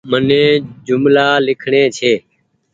مني جملآ لکڻي ڇي